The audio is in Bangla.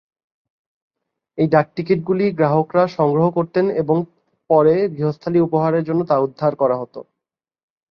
এই ডাকটিকিটগুলি গ্রাহকরা সংগ্রহ করতেন এবং পরে গৃহস্থালী উপহারের জন্য তা উদ্ধার করা হতো।